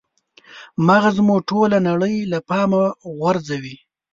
مغز مو ټوله نړۍ له پامه غورځوي.